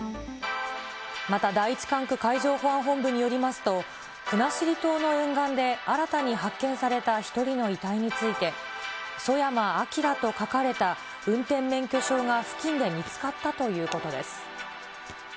また第１管区海上保安本部によりますと、国後島の沿岸で新たに発見された１人の遺体について、ソヤマ・アキラと書かれた運転免許証が付近で見つかったということです。